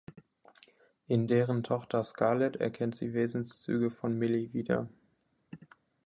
In deren Tochter Scarlett erkennt sie Wesenszüge von Milly wieder.